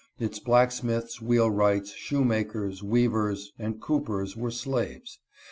Its blacksmiths, ~wlieeiwrights, shoemakers, weavers, and coopers were slaves.